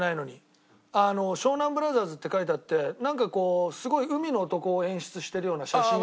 「湘南ブラザーズ」って書いてあってなんかこうすごい海の男を演出してるような写真を。